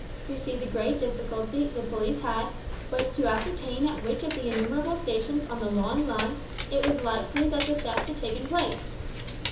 You see the great difficulty the police had, was to ascertain at which of the innumerable stations on the long line, it was likely that the theft had taken place.